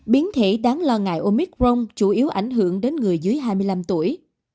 biến thể đáng lo ngại omicron chủ yếu ảnh hưởng đến người dưới hai mươi năm tuổi